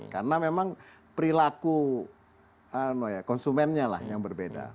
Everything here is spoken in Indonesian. karena memang perilaku konsumennya lah yang berbeda